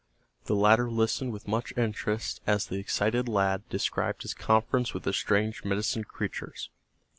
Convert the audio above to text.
The latter listened with much interest as the excited lad described his conference with the strange medicine creatures.